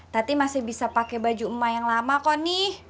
tapi masih bisa pakai baju ema yang lama kok nih